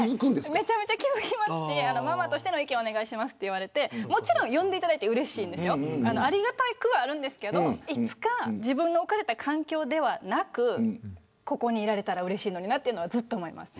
めちゃくちゃ気付きますしママとしての意見をお願いしますと言われてもちろん呼んでいただいてありがたくはあるんですがいつか自分の置かれた環境ではなくここに居られたらうれしいのになというのはずっと思います。